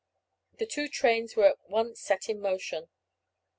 The two trains were at once set in motion.